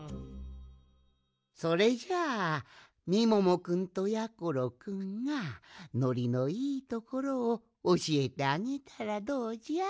それじゃあみももくんとやころくんがのりのいいところをおしえてあげたらどうじゃ？